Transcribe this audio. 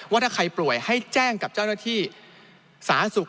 ว่าถ้าใครป่วยให้แจ้งกับเจ้าหน้าที่สาธารณสุข